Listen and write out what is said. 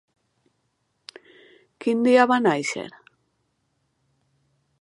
Quin dia va néixer?